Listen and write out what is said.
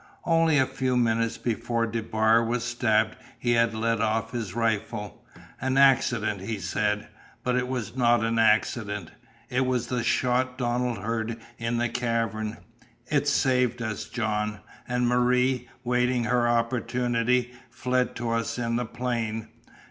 Only a few minutes before DeBar was stabbed he had let off his rifle an accident, he said. But it was not an accident. It was the shot Donald heard in the cavern. It saved us, John! And Marie, waiting her opportunity, fled to us in the plain.